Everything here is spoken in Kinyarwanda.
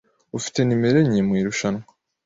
ufite nimero enye mu irushanwa